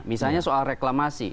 misalnya soal reklamasi